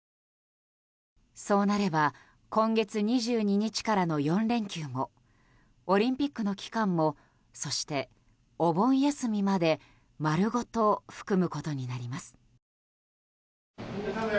そうなれば今月２２日からの４連休もオリンピックの期間もそして、お盆休みまで丸ごと含むことになります。